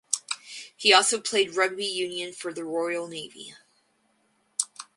He also played rugby union for the Royal Navy.